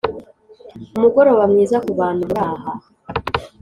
umugoroba mwiza kubantu muraha